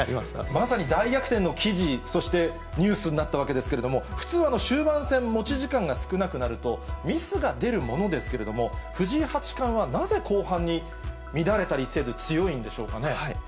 まさに大逆転の記事、そしてニュースになったわけですけれども、普通は終盤戦、持ち時間が少なくなると、ミスが出るものですけれども、藤井八冠はなぜ、後半に乱れたりせず強いんでしょうかね。